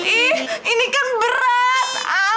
ih ini kan berat